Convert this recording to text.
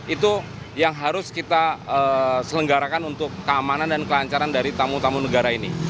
itu yang harus kita selenggarakan untuk keamanan dan kelancaran dari tamu tamu negara ini